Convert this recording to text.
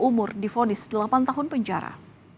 umur difonis delapan tahun penjara